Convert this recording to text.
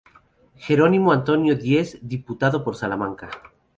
Gerónimo Antonio Díez, diputado por Salamanca.